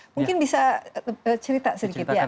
mungkin bisa cerita sedikit ya